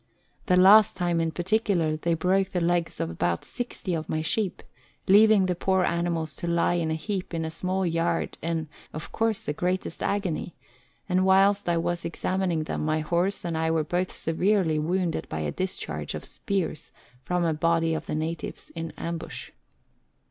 The last time in particular they broke the legs of about sixty of my sheep, leaving the poor animals to lie in a heap in a small yard in, of course, the greatest agony ; and whilst I was examining them my horse and I were both severely wounded by a discharge of spears from a body of the natives in ambush.